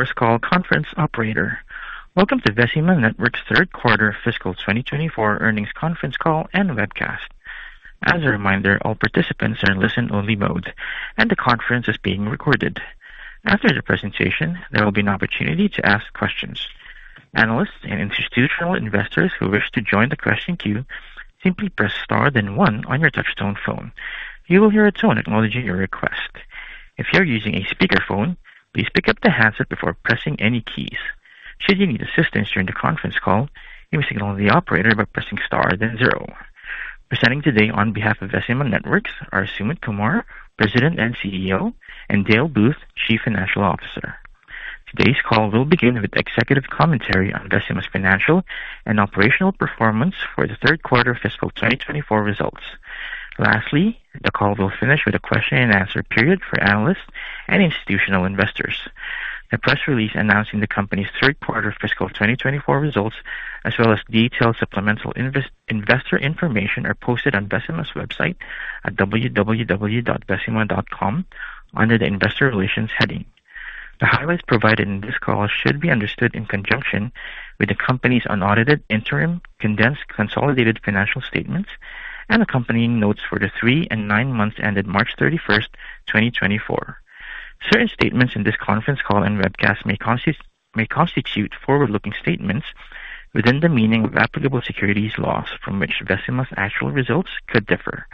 This is the conference operator. Welcome to Vecima Networks' third quarter fiscal 2024 earnings conference call and webcast. As a reminder, all participants are in listen-only mode, and the conference is being recorded. After the presentation, there will be an opportunity to ask questions. Analysts and institutional investors who wish to join the question queue simply press star then one on your touch-tone phone. You will hear a tone acknowledging your request. If you're using a speakerphone, please pick up the handset before pressing any keys. Should you need assistance during the conference call, you may signal the operator by pressing star then zero. Presenting today on behalf of Vecima Networks are Sumit Kumar, President and CEO, and Dale Booth, Chief Financial Officer. Today's call will begin with executive commentary on Vecima's financial and operational performance for the third quarter fiscal 2024 results. Lastly, the call will finish with a question-and-answer period for analysts and institutional investors. A press release announcing the company's third quarter fiscal 2024 results as well as detailed supplemental investor information are posted on Vecima's website at www.vecima.com under the Investor Relations heading. The highlights provided in this call should be understood in conjunction with the company's unaudited interim condensed consolidated financial statements and accompanying notes for the three and nine months ended March 31, 2024. Certain statements in this conference call and webcast may constitute forward-looking statements within the meaning of applicable securities laws from which Vecima's actual results could differ.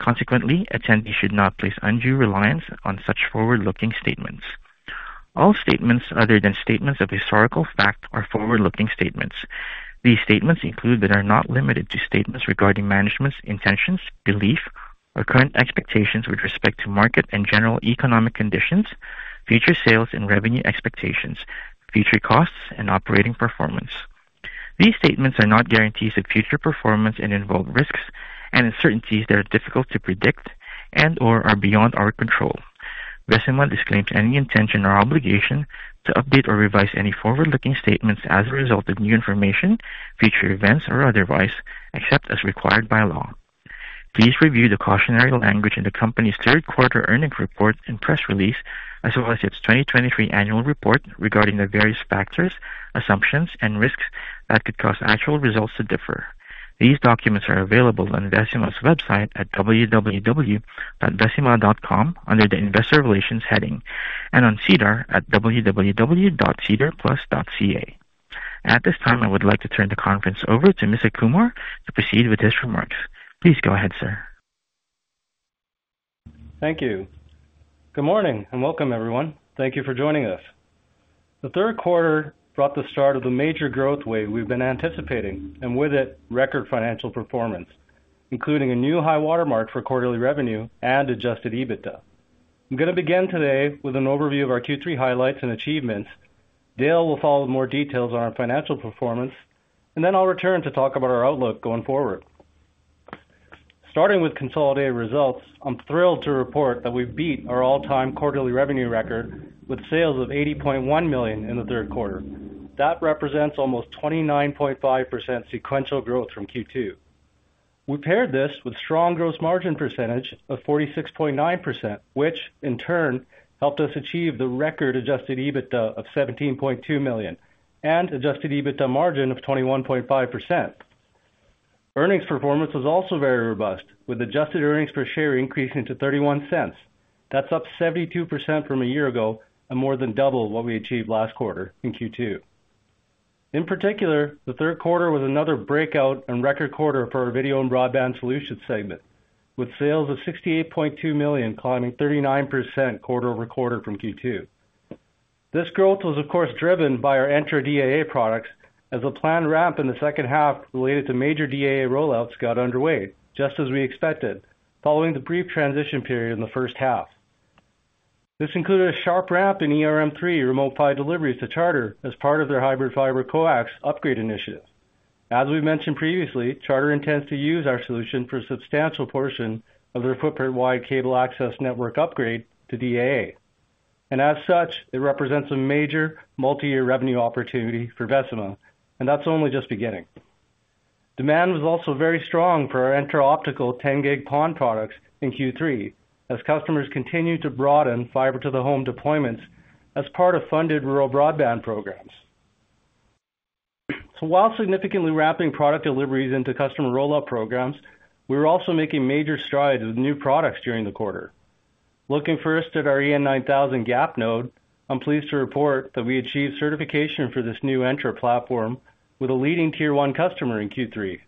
Consequently, attendees should not place undue reliance on such forward-looking statements. All statements other than statements of historical fact are forward-looking statements. These statements include but are not limited to statements regarding management's intentions, belief, or current expectations with respect to market and general economic conditions, future sales and revenue expectations, future costs, and operating performance. These statements are not guarantees of future performance and involve risks and uncertainties that are difficult to predict and/or are beyond our control. Vecima disclaims any intention or obligation to update or revise any forward-looking statements as a result of new information, future events, or otherwise, except as required by law. Please review the cautionary language in the company's third quarter earnings report and press release as well as its 2023 Annual Report regarding the various factors, assumptions, and risks that could cause actual results to differ. These documents are available on Vecima's website at www.vecima.com under the Investor Relations heading and on SEDAR+ at www.sedarplus.ca. At this time, I would like to turn the conference over to Mr. Kumar to proceed with his remarks. Please go ahead, sir. Thank you. Good morning and welcome, everyone. Thank you for joining us. The third quarter brought the start of the major growth wave we've been anticipating, and with it, record financial performance, including a new high watermark for quarterly revenue and Adjusted EBITDA. I'm going to begin today with an overview of our Q3 highlights and achievements. Dale will follow with more details on our financial performance, and then I'll return to talk about our outlook going forward. Starting with consolidated results, I'm thrilled to report that we've beat our all-time quarterly revenue record with sales of 80.1 million in the third quarter. That represents almost 29.5% sequential growth from Q2. We paired this with strong gross margin percentage of 46.9%, which, in turn, helped us achieve the record Adjusted EBITDA of 17.2 million and Adjusted EBITDA margin of 21.5%. Earnings performance was also very robust, with adjusted earnings per share increasing to 0.31. That's up 72% from a year ago and more than double what we achieved last quarter in Q2. In particular, the third quarter was another breakout and record quarter for our Video and Broadband Solutions segment, with sales of 68.2 million climbing 39% quarter-over-quarter from Q2. This growth was, of course, driven by our Entra DAA products as the planned ramp in the second half related to major DAA rollouts got underway, just as we expected, following the brief transition period in the first half. This included a sharp ramp in ERM3 Remote PHY deliveries to Charter as part of their hybrid fiber-coax upgrade initiative. As we've mentioned previously, Charter intends to use our solution for a substantial portion of their footprint-wide cable access network upgrade to DAA. As such, it represents a major multi-year revenue opportunity for Vecima, and that's only just beginning. Demand was also very strong for our Entra Optical 10G PON products in Q3 as customers continue to broaden fiber-to-the-home deployments as part of funded rural broadband programs. So while significantly ramping product deliveries into customer rollout programs, we were also making major strides with new products during the quarter. Looking first at our EN9000 GAP node, I'm pleased to report that we achieved certification for this new Entra platform with a leading tier-one customer in Q3.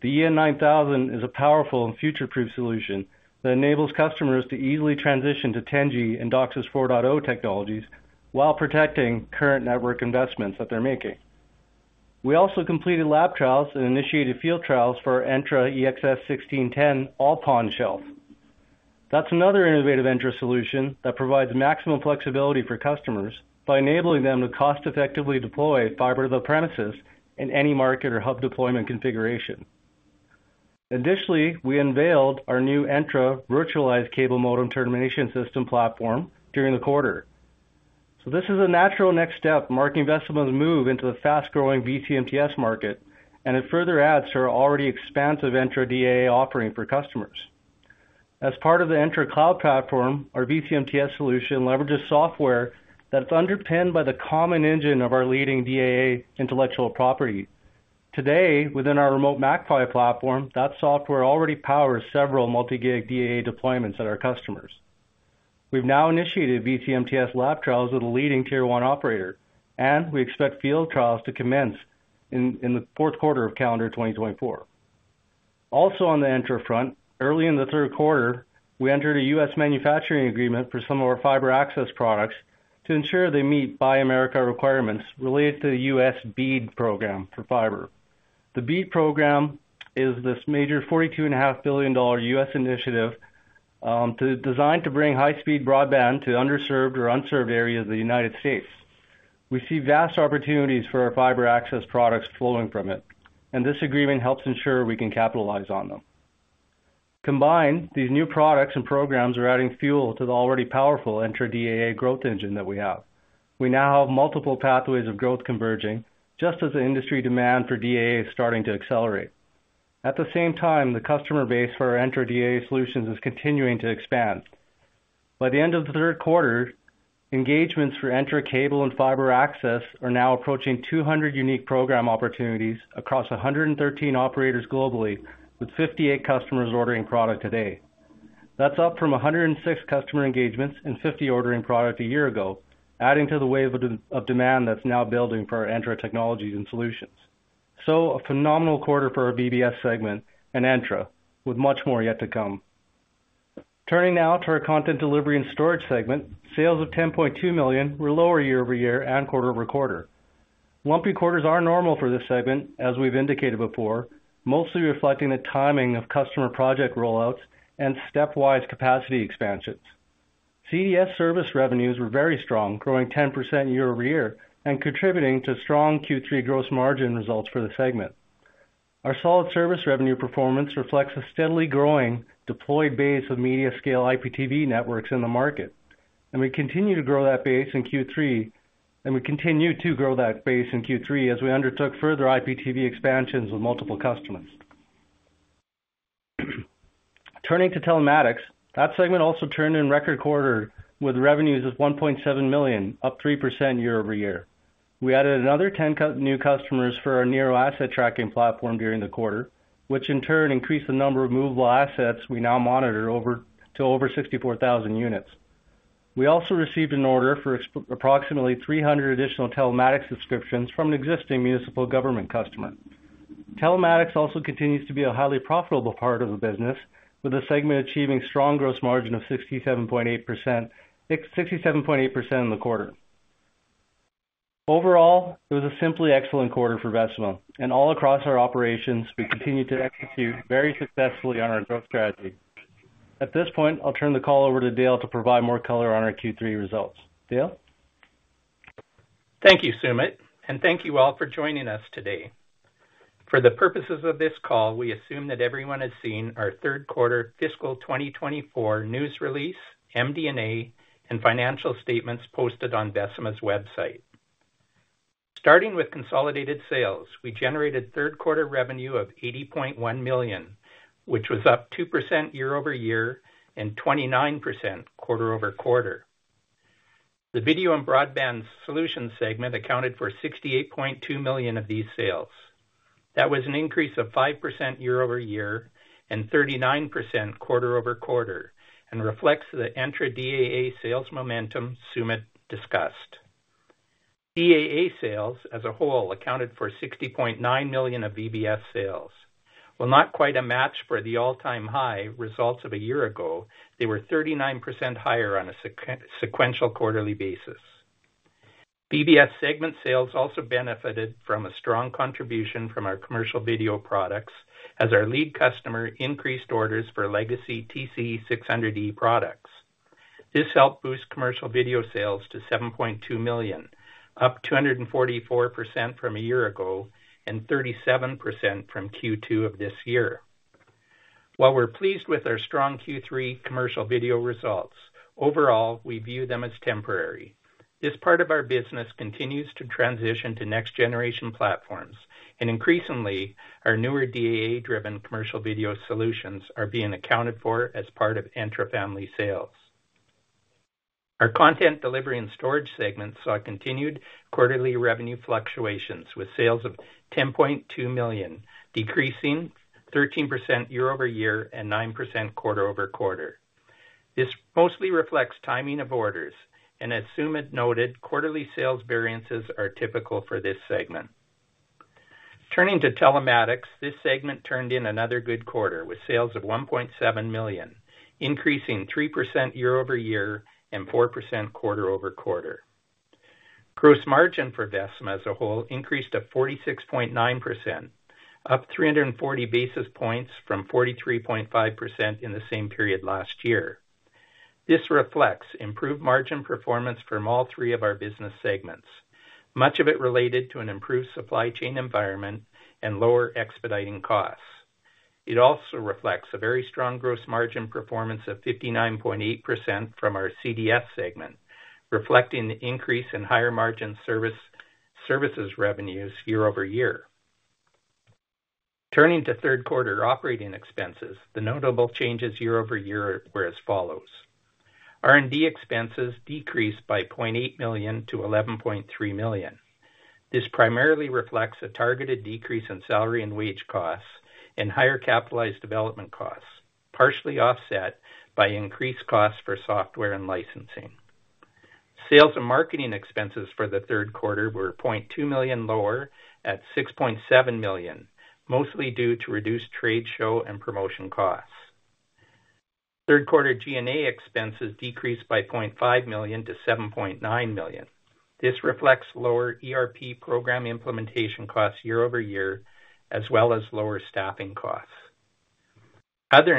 The EN9000 is a powerful and future-proof solution that enables customers to easily transition to 10G and DOCSIS 4.0 technologies while protecting current network investments that they're making. We also completed lab trials and initiated field trials for our Entra EXS1610 All-PON shelf. That's another innovative Entra solution that provides maximum flexibility for customers by enabling them to cost-effectively deploy fiber to the premises in any market or hub deployment configuration. Additionally, we unveiled our new Entra Virtualized Cable Modem Termination System platform during the quarter. So this is a natural next step marking Vecima's move into the fast-growing VCMTS market, and it further adds to our already expansive Entra DAA offering for customers. As part of the Entra Cloud platform, our VCMTS solution leverages software that is underpinned by the common engine of our leading DAA intellectual property. Today, within our Remote MACPHY platform, that software already powers several multi-gig DAA deployments at our customers. We've now initiated VCMTS lab trials with a leading Tier 1 operator, and we expect field trials to commence in the fourth quarter of calendar 2024. Also on the Entra front, early in the third quarter, we entered a U.S. manufacturing agreement for some of our fiber access products to ensure they meet Buy America requirements related to the U.S. BEAD program for fiber. The BEAD program is this major $42.5 billion U.S. initiative designed to bring high-speed broadband to underserved or unserved areas of the United States. We see vast opportunities for our fiber access products flowing from it, and this agreement helps ensure we can capitalize on them. Combined, these new products and programs are adding fuel to the already powerful Entra DAA growth engine that we have. We now have multiple pathways of growth converging, just as the industry demand for DAA is starting to accelerate. At the same time, the customer base for our Entra DAA solutions is continuing to expand. By the end of the third quarter, engagements for Entra cable and fiber access are now approaching 200 unique program opportunities across 113 operators globally, with 58 customers ordering product today. That's up from 106 customer engagements and 50 ordering product a year ago, adding to the wave of demand that's now building for our Entra technologies and solutions. So a phenomenal quarter for our VBS segment and Entra, with much more yet to come. Turning now to our Content Delivery and Storage segment, sales of 10.2 million were lower year-over-year and quarter-over-quarter. Lumpy quarters are normal for this segment, as we've indicated before, mostly reflecting the timing of customer project rollouts and stepwise capacity expansions. CDS service revenues were very strong, growing 10% year-over-year and contributing to strong Q3 gross margin results for the segment. Our solid service revenue performance reflects a steadily growing deployed base of media-scale IPTV networks in the market, and we continue to grow that base in Q3, and we continue to grow that base in Q3 as we undertook further IPTV expansions with multiple customers. Turning to Telematics, that segment also turned in record quarter with revenues of 1.7 million, up 3% year-over-year. We added another 10 new customers for our Nero asset tracking platform during the quarter, which in turn increased the number of movable assets we now monitor to over 64,000 units. We also received an order for approximately 300 additional Telematics subscriptions from an existing municipal government customer. Telematics also continues to be a highly profitable part of the business, with the segment achieving strong gross margin of 67.8% in the quarter. Overall, it was a simply excellent quarter for Vecima, and all across our operations, we continue to execute very successfully on our growth strategy. At this point, I'll turn the call over to Dale to provide more color on our Q3 results. Dale? Thank you, Sumit, and thank you all for joining us today. For the purposes of this call, we assume that everyone has seen our third quarter fiscal year 2024 news release, MD&A, and financial statements posted on Vecima's website. Starting with consolidated sales, we generated third quarter revenue of 80.1 million, which was up 2% year-over-year and 29% quarter-over-quarter. The Video and Broadband Solutions segment accounted for 68.2 million of these sales. That was an increase of 5% year-over-year and 39% quarter-over-quarter and reflects the Entra DAA sales momentum Sumit discussed. DAA sales as a whole accounted for 60.9 million of VBS sales. While not quite a match for the all-time high results of a year ago, they were 39% higher on a sequential quarterly basis. VBS segment sales also benefited from a strong contribution from our Commercial Video products as our lead customer increased orders for legacy TC600E products. This helped boost Commercial Video sales to 7.2 million, up 244% from a year ago and 37% from Q2 of this year. While we're pleased with our strong Q3 Commercial Video results, overall, we view them as temporary. This part of our business continues to transition to next-generation platforms, and increasingly, our newer DAA-driven Commercial Video solutions are being accounted for as part of Entra family sales. Our Content Delivery and Storage segments saw continued quarterly revenue fluctuations with sales of 10.2 million, decreasing 13% year-over-year and 9% quarter-over-quarter. This mostly reflects timing of orders, and as Sumit noted, quarterly sales variances are typical for this segment. Turning to Telematics, this segment turned in another good quarter with sales of 1.7 million, increasing 3% year-over-year and 4% quarter-over-quarter. Gross margin for Vecima as a whole increased to 46.9%, up 340 basis points from 43.5% in the same period last year. This reflects improved margin performance from all three of our business segments, much of it related to an improved supply chain environment and lower expediting costs. It also reflects a very strong gross margin performance of 59.8% from our CDS segment, reflecting the increase in higher margin services revenues year-over-year. Turning to third quarter operating expenses, the notable changes year-over-year were as follows. R&D expenses decreased by 0.8 million to 11.3 million. This primarily reflects a targeted decrease in salary and wage costs and higher capitalized development costs, partially offset by increased costs for software and licensing. Sales and marketing expenses for the third quarter were 0.2 million lower at 6.7 million, mostly due to reduced trade show and promotion costs. Third quarter G&A expenses decreased by 0.5 million to 7.9 million. This reflects lower ERP program implementation costs year-over-year as well as lower staffing costs. Other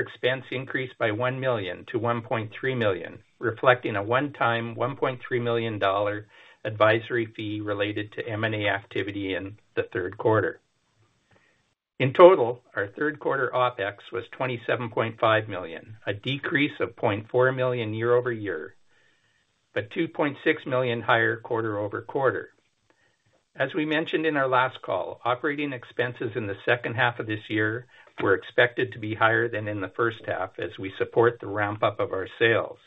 expense increased by 1 million to 1.3 million, reflecting a one-time 1.3 million dollar advisory fee related to M&A activity in the third quarter. In total, our third quarter OpEx was 27.5 million, a decrease of 0.4 million year-over-year but 2.6 million higher quarter-over-quarter. As we mentioned in our last call, operating expenses in the second half of this year were expected to be higher than in the first half as we support the ramp-up of our sales.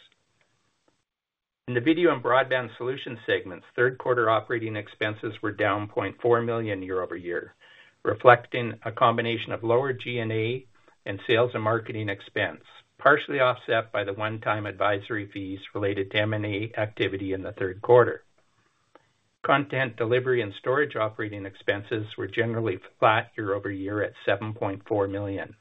In the Video and Broadband Solutions segments, third quarter operating expenses were down 0.4 million year-over-year, reflecting a combination of lower G&A and sales and marketing expense, partially offset by the one-time advisory fees related to M&A activity in the third quarter. Content Delivery and Storage operating expenses were generally flat year-over-year at 7.4 million.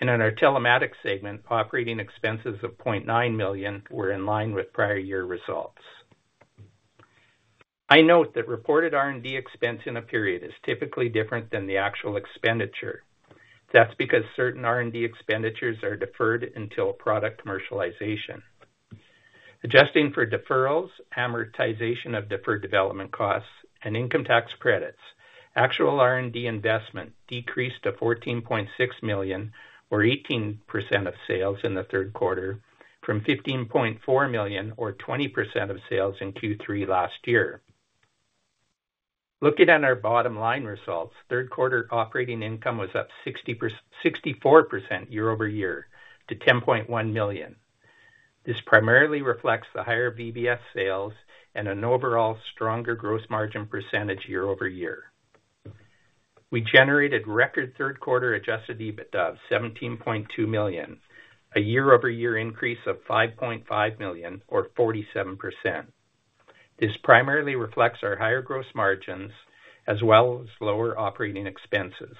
And in our Telematics segment, operating expenses of 0.9 million were in line with prior year results. I note that reported R&D expense in a period is typically different than the actual expenditure. That's because certain R&D expenditures are deferred until product commercialization. Adjusting for deferrals, amortization of deferred development costs, and income tax credits, actual R&D investment decreased to 14.6 million or 18% of sales in the third quarter from 15.4 million or 20% of sales in Q3 last year. Looking at our bottom line results, third quarter operating income was up 64% year-over-year to 10.1 million. This primarily reflects the higher VBS sales and an overall stronger gross margin percentage year-over-year. We generated record third quarter Adjusted EBITDA of 17.2 million, a year-over-year increase of 5.5 million or 47%. This primarily reflects our higher gross margins as well as lower operating expenses.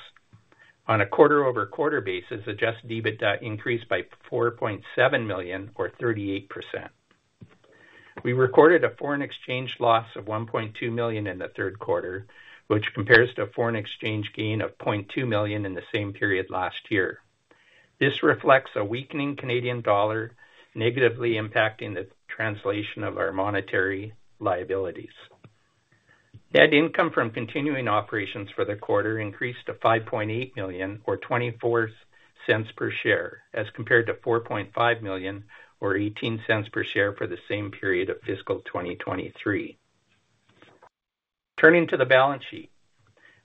On a quarter-over-quarter basis, Adjusted EBITDA increased by 4.7 million or 38%. We recorded a foreign exchange loss of 1.2 million in the third quarter, which compares to a foreign exchange gain of 0.2 million in the same period last year. This reflects a weakening Canadian dollar negatively impacting the translation of our monetary liabilities. Net income from continuing operations for the quarter increased to 5.8 million or 0.24 per share as compared to 4.5 million or 0.18 per share for the same period of fiscal 2023. Turning to the balance sheet,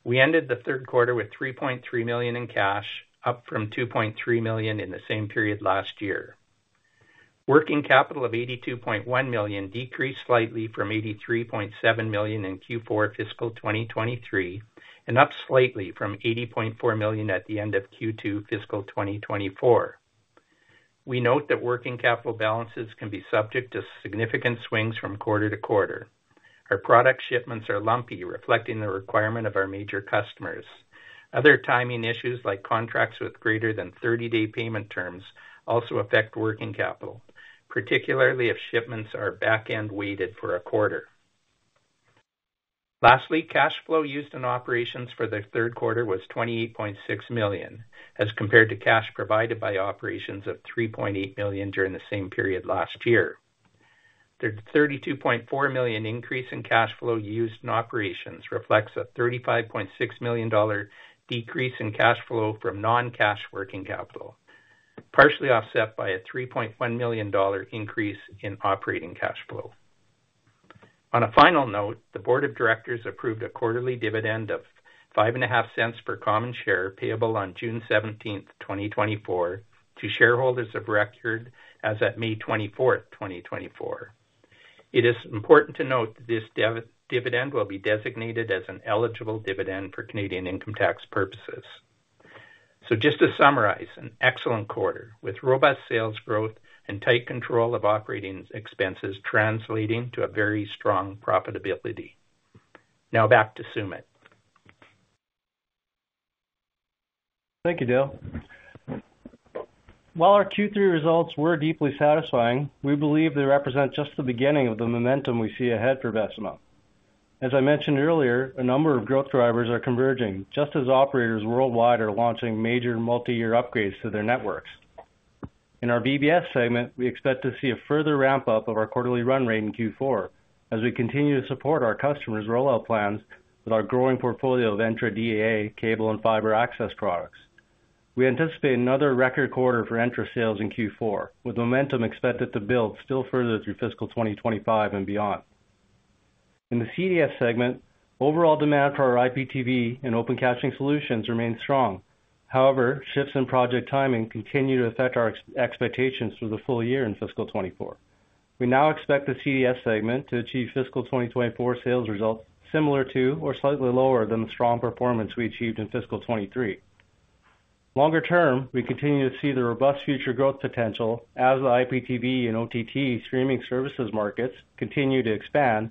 we ended the third quarter with 3.3 million in cash, up from 2.3 million in the same period last year. Working capital of 82.1 million decreased slightly from 83.7 million in Q4 fiscal year 2023 and up slightly from 80.4 million at the end of Q2 fiscal year 2024. We note that working capital balances can be subject to significant swings from quarter to quarter. Our product shipments are lumpy, reflecting the requirement of our major customers. Other timing issues like contracts with greater than 30-day payment terms also affect working capital, particularly if shipments are backend weighted for a quarter. Lastly, cash flow used in operations for the third quarter was 28.6 million as compared to cash provided by operations of 3.8 million during the same period last year. The 32.4 million increase in cash flow used in operations reflects a 35.6 million dollar decrease in cash flow from non-cash working capital, partially offset by a 3.1 million dollar increase in operating cash flow. On a final note, the Board of Directors approved a quarterly dividend of 0.055 per common share payable on June 17th, 2024, to shareholders of record as of May 24th, 2024. It is important to note that this dividend will be designated as an eligible dividend for Canadian income tax purposes. So just to summarize, an excellent quarter with robust sales growth and tight control of operating expenses translating to a very strong profitability. Now back to Sumit. Thank you, Dale. While our Q3 results were deeply satisfying, we believe they represent just the beginning of the momentum we see ahead for Vecima. As I mentioned earlier, a number of growth drivers are converging, just as operators worldwide are launching major multi-year upgrades to their networks. In our VBS segment, we expect to see a further ramp-up of our quarterly run rate in Q4 as we continue to support our customers' rollout plans with our growing portfolio of Entra DAA cable and fiber access products. We anticipate another record quarter for Entra sales in Q4, with momentum expected to build still further through fiscal year 2025 and beyond. In the CDS segment, overall demand for our IPTV and open captioning solutions remains strong. However, shifts in project timing continue to affect our expectations through the full-year in fiscal year 2024. We now expect the CDS segment to achieve fiscal year 2024 sales results similar to or slightly lower than the strong performance we achieved in fiscal year 2023. Longer term, we continue to see the robust future growth potential as the IPTV and OTT streaming services markets continue to expand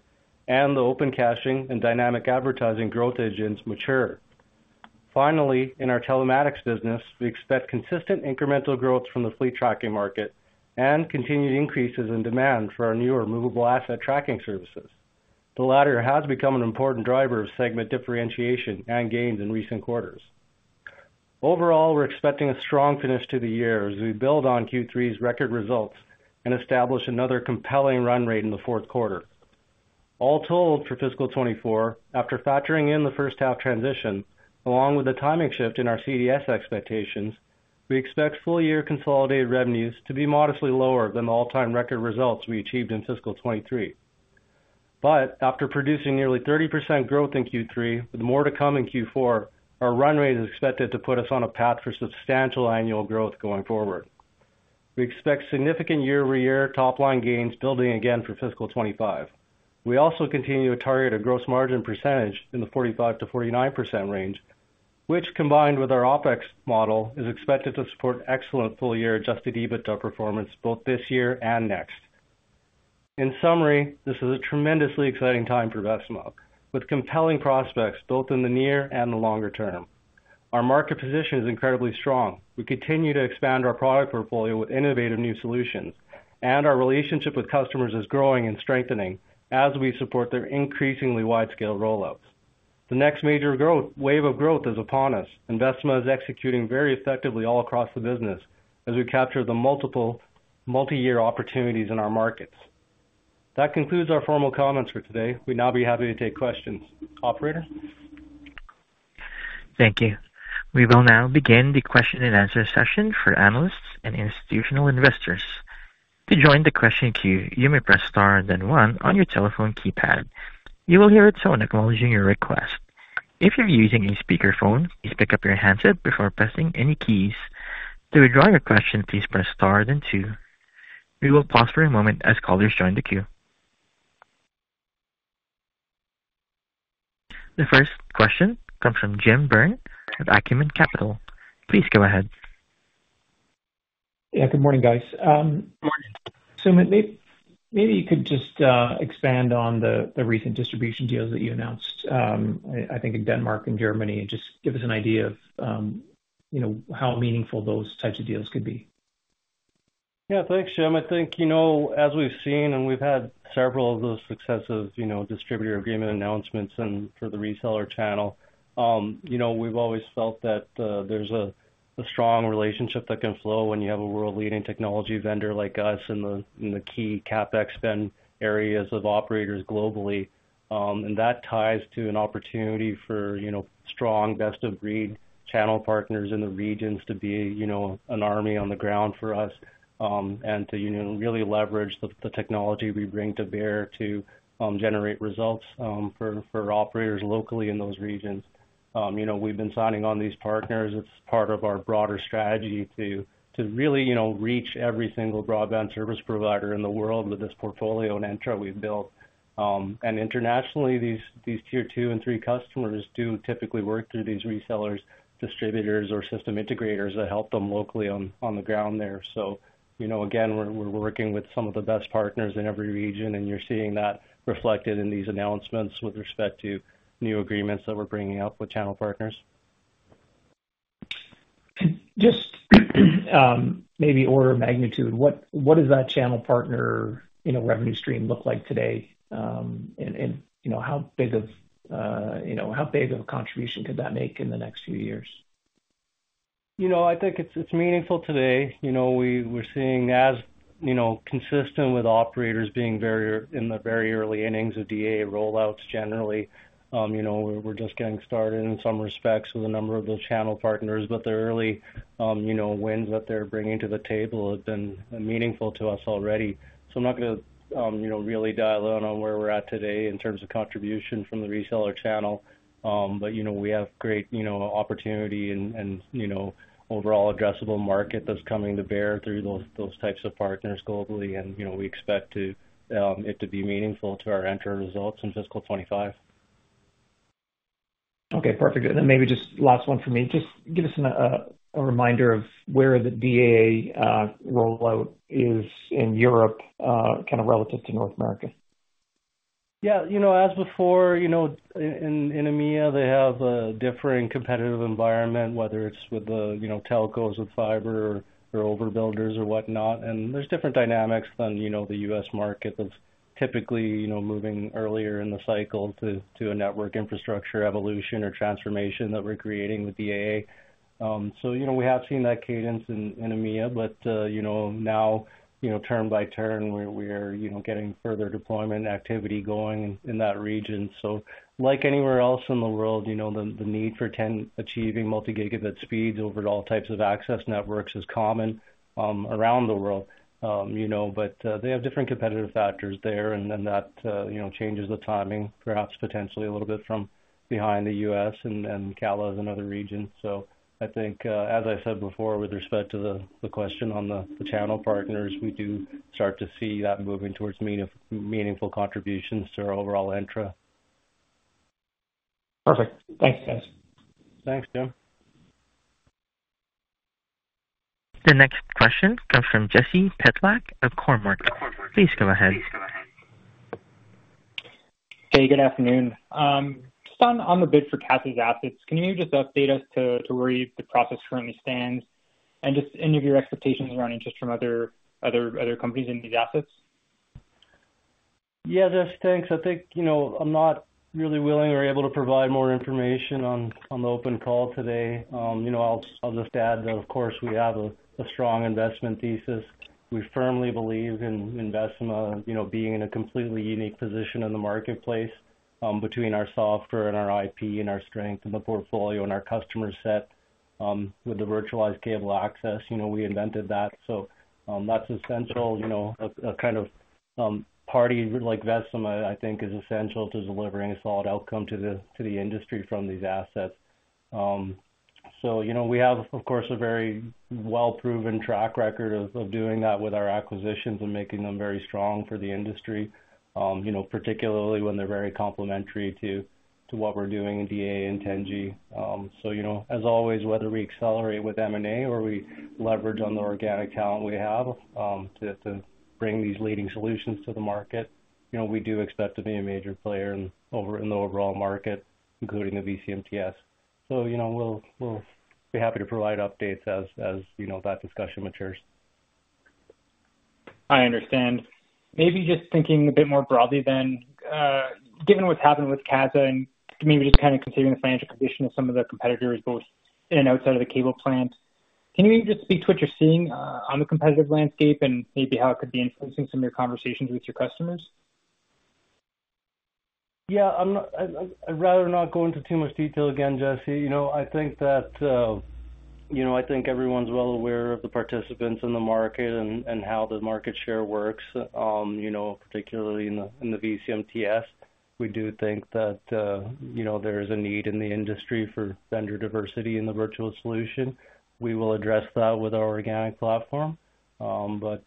and the open captioning and dynamic advertising growth engines mature. Finally, in our Telematics business, we expect consistent incremental growth from the fleet tracking market and continued increases in demand for our newer movable asset tracking services. The latter has become an important driver of segment differentiation and gains in recent quarters. Overall, we're expecting a strong finish to the year as we build on Q3's record results and establish another compelling run rate in the fourth quarter. All told, for fiscal year 2024, after factoring in the first-half transition along with the timing shift in our CDS expectations, we expect full-year consolidated revenues to be modestly lower than the all-time record results we achieved in fiscal year 2023. But after producing nearly 30% growth in Q3 with more to come in Q4, our run rate is expected to put us on a path for substantial annual growth going forward. We expect significant year-over-year top-line gains building again for fiscal year 2025. We also continue to target a gross margin percentage in the 45%-49% range, which, combined with our OpEx model, is expected to support excellent full-year Adjusted EBITDA performance both this year and next. In summary, this is a tremendously exciting time for Vecima with compelling prospects both in the near and the longer term. Our market position is incredibly strong. We continue to expand our product portfolio with innovative new solutions, and our relationship with customers is growing and strengthening as we support their increasingly wide-scale rollouts. The next major wave of growth is upon us, and Vecima is executing very effectively all across the business as we capture the multiple multi-year opportunities in our markets. That concludes our formal comments for today. We'd now be happy to take questions. Operator? Thank you. We will now begin the question and answer session for analysts and institutional investors. To join the question queue, you may press star and then one on your telephone keypad. You will hear a tone acknowledging your request. If you're using a speakerphone, please pick up your handset before pressing any keys. To withdraw your question, please press star and then two. We will pause for a moment as callers join the queue. The first question comes from Jim Byrne of Acumen Capital. Please go ahead. Yeah. Good morning, guys. Sumit, maybe you could just expand on the recent distribution deals that you announced, I think, in Denmark and Germany, and just give us an idea of how meaningful those types of deals could be? Yeah. Thanks, Jim. I think as we've seen and we've had several of those successive distributor agreement announcements for the reseller channel, we've always felt that there's a strong relationship that can flow when you have a world-leading technology vendor like us in the key CapEx spend areas of operators globally. And that ties to an opportunity for strong, best-of-breed channel partners in the regions to be an army on the ground for us and to really leverage the technology we bring to bear to generate results for operators locally in those regions. We've been signing on these partners. It's part of our broader strategy to really reach every single broadband service provider in the world with this portfolio and Entra we've built. And internationally, these Tier 2 and 3 customers do typically work through these resellers, distributors, or system integrators that help them locally on the ground there. So again, we're working with some of the best partners in every region, and you're seeing that reflected in these announcements with respect to new agreements that we're bringing up with channel partners. Just maybe order of magnitude, what does that channel partner revenue stream look like today? And how big of a contribution could that make in the next few years? I think it's meaningful today. We're seeing as consistent with operators being in the very early innings of DAA rollouts generally. We're just getting started in some respects with a number of those channel partners, but the early wins that they're bringing to the table have been meaningful to us already. So I'm not going to really dial in on where we're at today in terms of contribution from the reseller channel. But we have great opportunity and overall addressable market that's coming to bear through those types of partners globally, and we expect it to be meaningful to our Entra results in fiscal year 2025. Okay. Perfect. And then maybe just last one from me. Just give us a reminder of where the DAA rollout is in Europe kind of relative to North America? Yeah. As before, in EMEA, they have a different competitive environment, whether it's with the telcos, with fiber, or overbuilders, or whatnot. And there's different dynamics than the U.S. market that's typically moving earlier in the cycle to a network infrastructure evolution or transformation that we're creating with DAA. So we have seen that cadence in EMEA, but now, turn by turn, we are getting further deployment activity going in that region. So like anywhere else in the world, the need for achieving multi-gigabit speeds over all types of access networks is common around the world. But they have different competitive factors there, and then that changes the timing, perhaps potentially a little bit from behind the U.S. and CALA and other regions. I think, as I said before, with respect to the question on the channel partners, we do start to see that moving towards meaningful contributions to our overall Entra. Perfect. Thanks, guys. Thanks, Jim. The next question comes from Jesse Pytlak of Cormark. Please go ahead. Hey. Good afternoon. Just on the bid for Casa's assets, can you maybe just update us to where the process currently stands and just any of your expectations around interest from other companies in these assets? Yeah. Just thanks. I think I'm not really willing or able to provide more information on the open call today. I'll just add that, of course, we have a strong investment thesis. We firmly believe in Vecima being in a completely unique position in the marketplace between our software and our IP and our strength and the portfolio and our customer set. With the virtualized cable access, we invented that. So that's essential. A kind of party like Vecima, I think, is essential to delivering a solid outcome to the industry from these assets. So we have, of course, a very well-proven track record of doing that with our acquisitions and making them very strong for the industry, particularly when they're very complementary to what we're doing in DAA and Entra. So as always, whether we accelerate with M&A or we leverage on the organic talent we have to bring these leading solutions to the market, we do expect to be a major player in the overall market, including the VCMTS. So we'll be happy to provide updates as that discussion matures. I understand. Maybe just thinking a bit more broadly then, given what's happened with Casa and maybe just kind of considering the financial condition of some of the competitors, both in and outside of the cable plant, can you maybe just speak to what you're seeing on the competitive landscape and maybe how it could be influencing some of your conversations with your customers? Yeah. I'd rather not go into too much detail again, Jesse. I think that I think everyone's well aware of the participants in the market and how the market share works, particularly in the VCMTS. We do think that there is a need in the industry for vendor diversity in the virtual solution. We will address that with our organic platform. But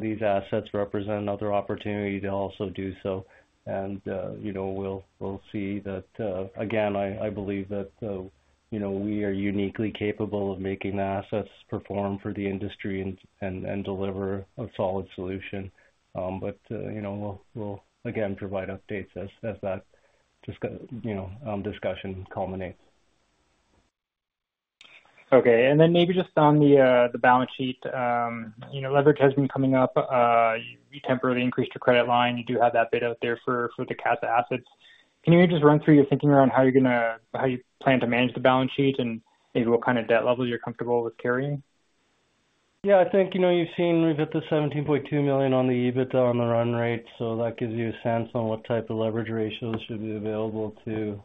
these assets represent another opportunity to also do so. And we'll see that again, I believe that we are uniquely capable of making the assets perform for the industry and deliver a solid solution. But we'll, again, provide updates as that discussion culminates. Okay. And then maybe just on the balance sheet, leverage has been coming up. You temporarily increased your credit line. You do have that bid out there for the Casa assets. Can you maybe just run through your thinking around how you're going to plan to manage the balance sheet and maybe what kind of debt level you're comfortable with carrying? Yeah. I think you've seen we've hit the 17.2 million on the EBITDA on the run rate. So that gives you a sense on what type of leverage ratios should be available to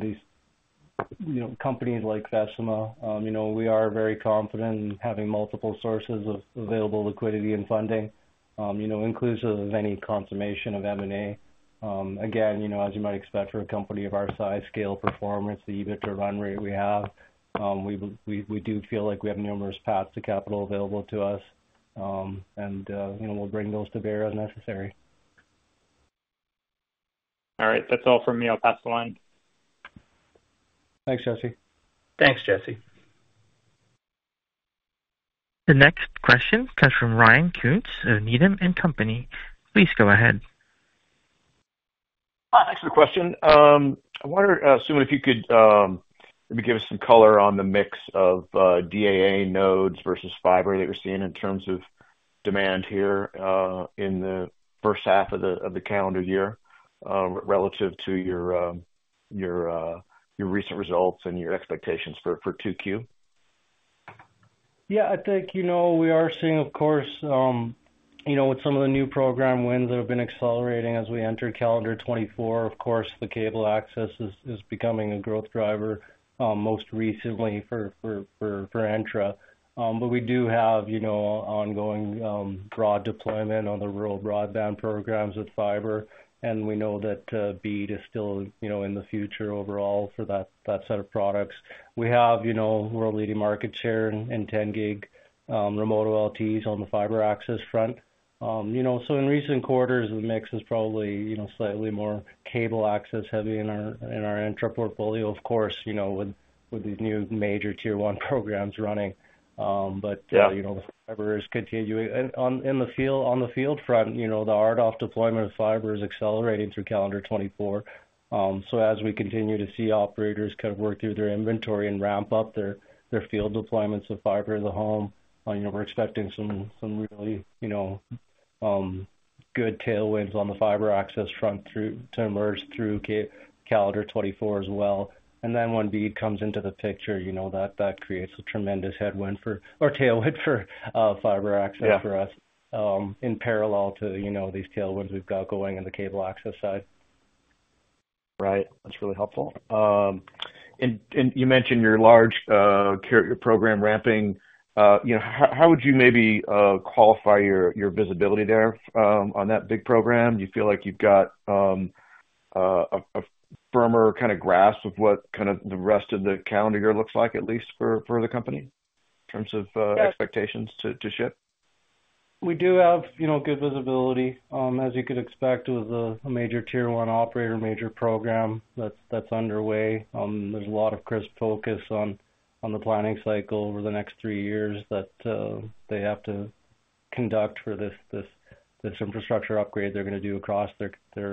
these companies like Vecima. We are very confident in having multiple sources of available liquidity and funding, inclusive of any consummation of M&A. Again, as you might expect for a company of our size, scale, performance, the EBITDA run rate we have, we do feel like we have numerous paths to capital available to us. And we'll bring those to bear as necessary. All right. That's all from me. I'll pass the line. Thanks, Jesse. Thanks, Jesse. The next question comes from Ryan Koontz of Needham & Company. Please go ahead. Hi. Thanks for the question. I wondered, Sumit, if you could maybe give us some color on the mix of DAA nodes versus fiber that you're seeing in terms of demand here in the first half of the calendar year relative to your recent results and your expectations for 2Q? Yeah. I think we are seeing, of course, with some of the new program wins that have been accelerating as we entered calendar 2024, of course, the cable access is becoming a growth driver most recently for Entra. But we do have ongoing broad deployment on the rural broadband programs with fiber. And we know that BEAD is still in the future overall for that set of products. We have world-leading market share in 10-gig remote OLTs on the fiber access front. So in recent quarters, the mix is probably slightly more cable access-heavy in our Entra portfolio, of course, with these new major tier one programs running. But the fiber is continuing. And on the field front, the RDOF deployment of fiber is accelerating through calendar 2024. So as we continue to see operators kind of work through their inventory and ramp up their field deployments of fiber to the home, we're expecting some really good tailwinds on the fiber access front to emerge through calendar 2024 as well. And then when BEAD comes into the picture, that creates a tremendous headwind for or tailwind for fiber access for us in parallel to these tailwinds we've got going on the cable access side. Right. That's really helpful. And you mentioned your large program ramping. How would you maybe qualify your visibility there on that big program? Do you feel like you've got a firmer kind of grasp of what kind of the rest of the calendar year looks like, at least for the company, in terms of expectations to ship? We do have good visibility, as you could expect, with a major tier one operator major program that's underway. There's a lot of crisp focus on the planning cycle over the next three years that they have to conduct for this infrastructure upgrade they're going to do across their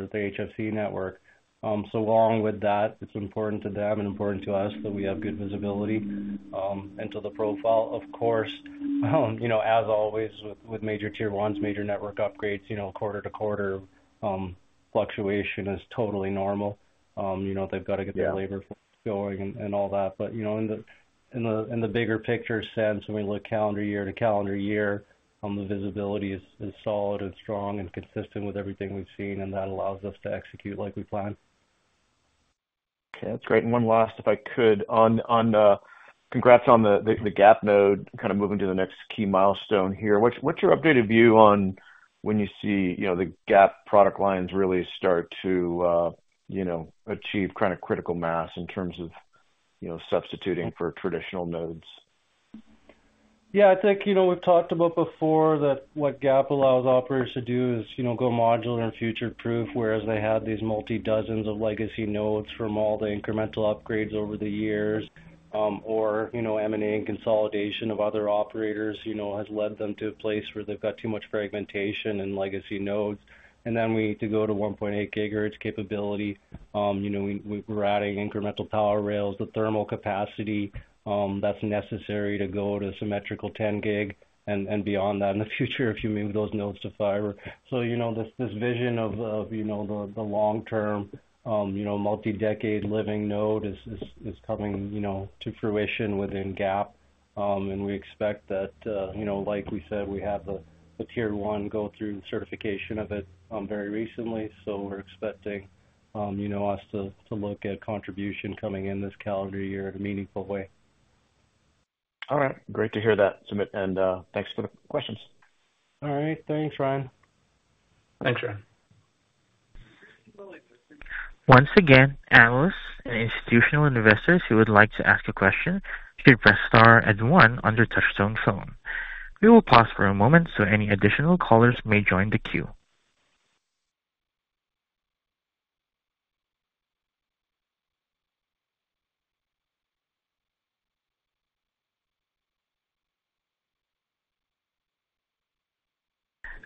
HFC network. So along with that, it's important to them and important to us that we have good visibility into the profile. Of course, as always, with major Tier 1s, major network upgrades, quarter-to-quarter fluctuation is totally normal. They've got to get their labor flows going and all that. But in the bigger picture sense, when we look calendar year to calendar year, the visibility is solid and strong and consistent with everything we've seen, and that allows us to execute like we plan. Okay. That's great. And one last, if I could, congrats on the GAP node kind of moving to the next key milestone here. What's your updated view on when you see the GAP product lines really start to achieve kind of critical mass in terms of substituting for traditional nodes? Yeah. I think we've talked about before that what GAP allows operators to do is go modular and future-proof, whereas they had these multi-dozens of legacy nodes from all the incremental upgrades over the years. Or M&A and consolidation of other operators has led them to a place where they've got too much fragmentation in legacy nodes. And then we need to go to 1.8 GHz capability. We're adding incremental power rails, the thermal capacity that's necessary to go to symmetrical 10-gig and beyond that in the future if you move those nodes to fiber. So this vision of the long-term, multi-decade living node is coming to fruition within GAP. And we expect that, like we said, we have the tier one go through certification of it very recently. So we're expecting us to look at contribution coming in this calendar year in a meaningful way. All right. Great to hear that, Sumit. Thanks for the questions. All right. Thanks, Ryan. Thanks, Ryan. Once again, analysts and institutional investors who would like to ask a question should press star one on their touch-tone phone. We will pause for a moment so any additional callers may join the queue.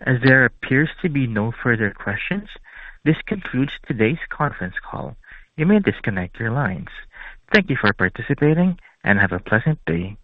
As there appears to be no further questions, this concludes today's conference call. You may disconnect your lines. Thank you for participating, and have a pleasant day.